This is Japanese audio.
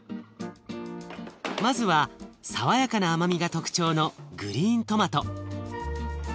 まずは爽やかな甘みが特徴のグリーントマト。